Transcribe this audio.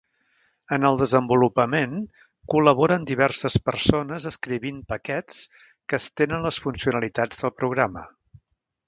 En el desenvolupament col·laboren diverses persones escrivint paquets que estenen les funcionalitats del programa.